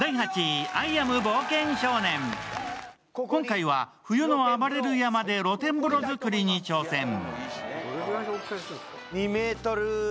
今回は冬のあばれる山で露天風呂づくりに挑戦。